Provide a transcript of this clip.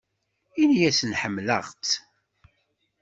Ini-asen ḥemmleɣ-tt.